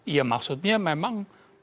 ya maksudnya memang